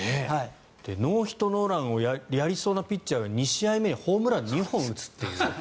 ノーヒット・ノーランをやりそうなピッチャーが２試合目にホームラン２本打つという。